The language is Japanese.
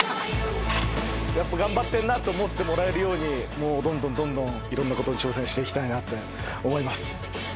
頑張ってんなと思ってもらえるようにどんどんいろんなこと挑戦して行きたいなって思います。